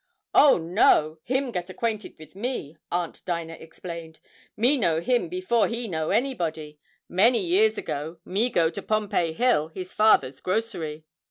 "Oh, no; him get acquainted with me," Aunt Dinah explained. "Me know him before he know anybody. Many years ago me go to Pompey Hill, his father's grocery.